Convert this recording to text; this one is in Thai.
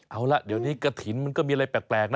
เอาล่ะเดี๋ยวนี้กระถิ่นมันก็มีอะไรแปลกนะ